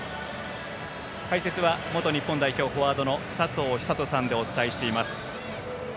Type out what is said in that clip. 解説は、元日本代表フォワードの佐藤寿人さんでお伝えしています。